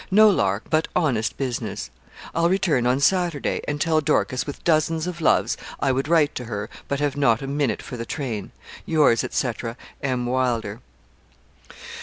No lark, but honest business. I'll return on Saturday; and tell Dorcas, with dozens of loves, I would write to her, but have not a minute for the train. 'Yours, &c. 'M. WYLDER.'